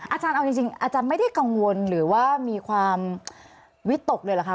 อาจารย์เอาจริงอาจารย์ไม่ได้กังวลหรือว่ามีความวิตกเลยเหรอคะ